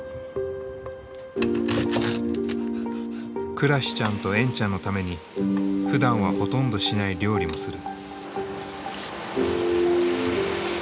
くらしちゃんとえんちゃんのためにふだんはほとんどしない料理もする。